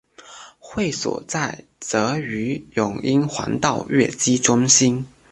会所在鲗鱼涌英皇道乐基中心。